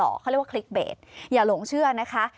เขาเรียกว่าคลิกเบสอย่าหลงเชื่อนะคะ